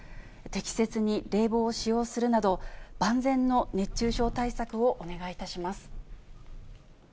適切に冷房を使用するなど、万全の熱中症対策をお願いいたします。